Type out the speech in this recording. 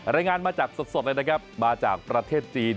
รายงานมาจากสดเลยนะครับมาจากประเทศจีน